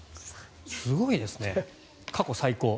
すごいですね、過去最高。